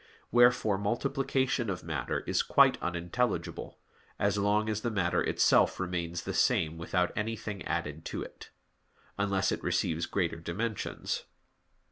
Wherefore multiplication of matter is quite unintelligible, as long as the matter itself remains the same without anything added to it; unless it receives greater dimensions.